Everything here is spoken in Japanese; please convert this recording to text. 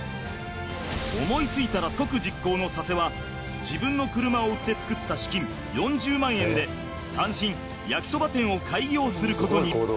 思いついたら即実行の佐瀬は自分の車を売って作った資金４０万円で単身焼きそば店を開業することに。